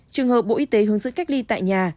trường hợp bộ y tế hướng dẫn cách ly tại nhà